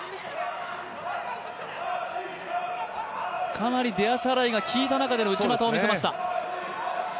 かなり出足払いがきいた中での内股を見せました。